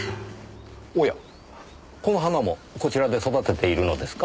おやこの花もこちらで育てているのですか？